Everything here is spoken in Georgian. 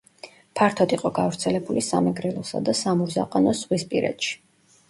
ფართოდ იყო გავრცელებული სამეგრელოსა და სამურზაყანოს ზღვისპირეთში.